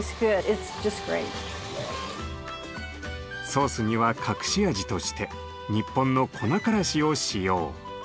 ソースには隠し味として日本の粉からしを使用。